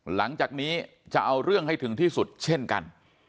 หลังจากนี้จะเอาเรื่องให้ถึงที่สุดเช่นกัน